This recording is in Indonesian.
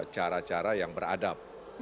cara cara yang beradab